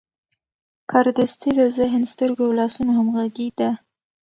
کاردستي د ذهن، سترګو او لاسونو همغږي ده.